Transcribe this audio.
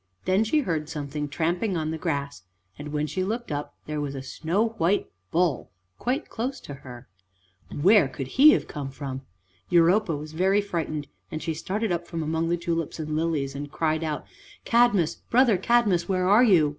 Then she heard something tramping on the grass and, when she looked up, there was a snow white bull quite close to her! Where could he have come from? Europa was very frightened, and she started up from among the tulips and lilies and cried out, "Cadmus, brother Cadmus, where are you?